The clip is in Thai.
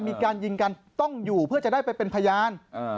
มีการยิงกันต้องอยู่เพื่อจะได้ไปเป็นพยาน